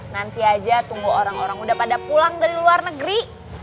nanti aja tunggu orang orang udah pada pulang dari luar negeri